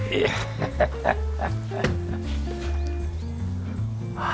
ハハハハ。